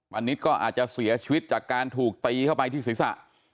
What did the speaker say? ณนิดก็อาจจะเสียชีวิตจากการถูกตีเข้าไปที่ศีรษะ